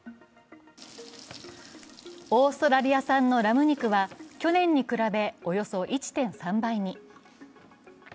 オーストラリア産のラム肉は去年に比べおよそ１．３倍に。